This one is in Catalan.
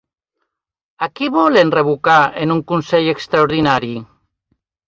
A qui volen revocar en un consell extraordinari?